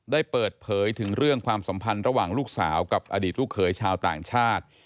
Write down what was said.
ได้เปิดเผยถึงเรื่องความสัมพันธ์ระหว่างลูกสาวกับอดีตลูกเขยชาวต่างชาติ